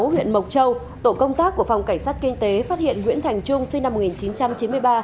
huyện mộc châu tổ công tác của phòng cảnh sát kinh tế phát hiện nguyễn thành trung sinh năm một nghìn chín trăm chín mươi ba